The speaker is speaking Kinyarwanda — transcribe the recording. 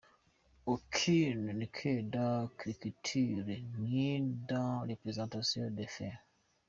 Aucune rigueur dans l’écriture, ni dans la présentation des faits.